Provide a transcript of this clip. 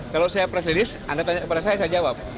kalau saya press release anda tanya kepada saya saya jawab